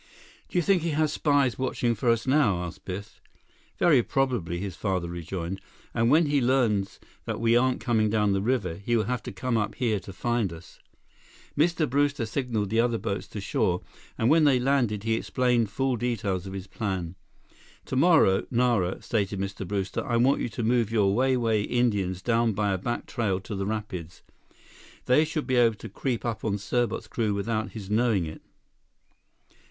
"Do you think he has spies watching for us now?" asked Biff. "Very probably," his father rejoined. "And when he learns that we aren't coming down the river, he will have to come up here to find us." Mr. Brewster signaled the other boats to shore, and when they landed, he explained full details of his plan. "Tomorrow, Nara," stated Mr. Brewster, "I want you to move your Wai Wai Indians down by a back trail to the rapids. They should be able to creep up on Serbot's crew without his knowing it."